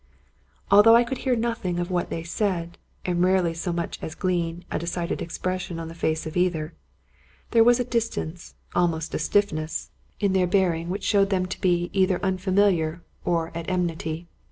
Although I could hear nothing of what they said, and rare ly so much as glean a decided expression on the face of either, there was a distance, almost a stiffness, in their bear i68 Robert Louis Stevenson ing which showed them to be either unfamiliar or at en mity.